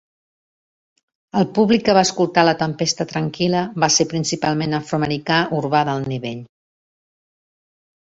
El públic que va escoltar la tempesta tranquil·la va ser principalment afroamericà "urbà d'alt nivell".